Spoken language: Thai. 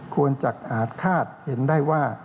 ควรจะอาจคาดเห็นได้ว่า